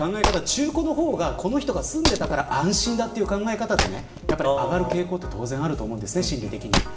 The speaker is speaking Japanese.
中古の方がこの人が住んでたから安心ということで上がる傾向って心理的にあると思うんですね。